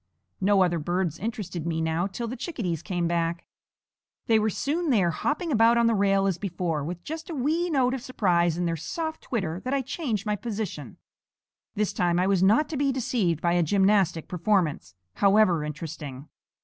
No other birds interested me now till the chickadees came back. They were soon there, hopping about on the rail as before, with just a wee note of surprise in their soft twitter that I had changed my position. This time I was not to be deceived by a gymnastic performance, however interesting.